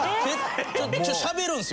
しゃべるんですよ。